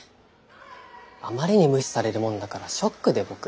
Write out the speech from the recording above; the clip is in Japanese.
あまりに無視されるもんだからショックでボク。